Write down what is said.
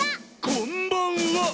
「こんばんは！」